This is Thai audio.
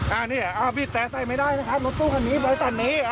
อ้านี้อ้ามีบแปรใส่ไม่ได้นะครับรถตู้ฮันนี้นี่